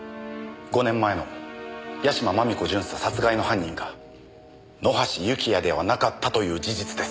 ５年前の屋島真美子巡査殺害の犯人が野橋幸也ではなかったという事実です。